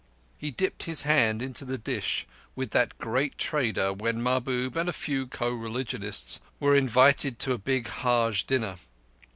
He dipped his hand into the dish with that great trader when Mahbub and a few co religionists were invited to a big Haj dinner.